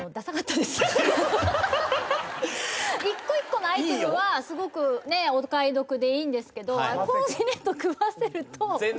一個一個のアイテムはすごくお買い得でいいんですけどコーディネート組ませると。